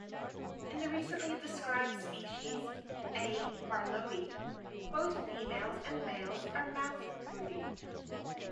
In the recently described species "A. barlowi" both females and males are mouthbrooding.